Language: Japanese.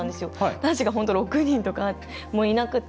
男子が本当、６人とかもいなくて。